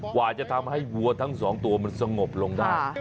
กว่าจะทำให้วัวทั้งสองตัวมันสงบลงได้